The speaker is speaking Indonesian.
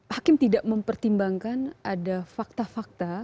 hakim tidak mempertimbangkan ada fakta fakta